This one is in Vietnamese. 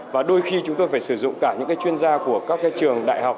và đôi khi chúng tôi phải sử dụng cả những chuyên gia của các trường đại học